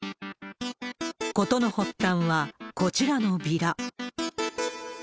事の発端は、こちらのビラ。